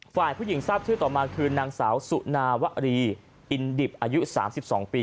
ฝ่ายผู้หญิงทรัพย์ที่ต่อมาคือนางสาวสุนาวรีอินดิบอายุสามสิบสองปี